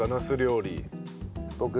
僕？